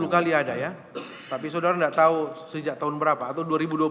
sepuluh kali ada ya tapi saudara tidak tahu sejak tahun berapa atau dua ribu dua belas